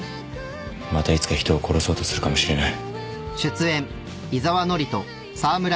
またいつか人を殺そうとするかもしれない。